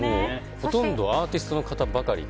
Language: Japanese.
ほとんどアーティストの方ばかり。